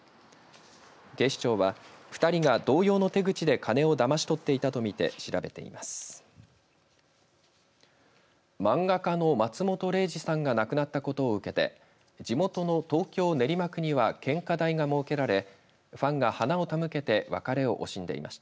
警視庁は２人が同様の手口で金をだまし取っていたとみて調べています。